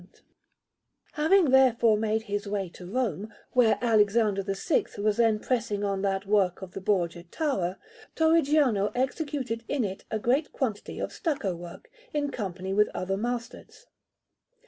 London: Westminster Abbey) Mansell] Having therefore made his way to Rome, where Alexander VI was then pressing on the work of the Borgia Tower, Torrigiano executed in it a great quantity of stucco work, in company with other masters.